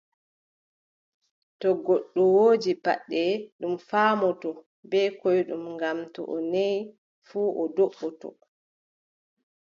To goɗɗo woodi paɗɗe, ɗum faamotoo bee koyɗum, ngam to neei fuu, o do"otoo,